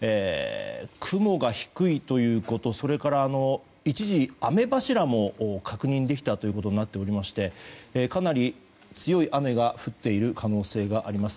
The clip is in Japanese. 雲が低いということそれから、一時雨柱も確認できたということになっていてかなり強い雨が降っている可能性があります。